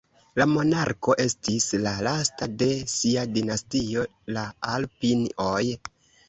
La monarko estis la lasta de sia dinastio, la "Alpin"oj.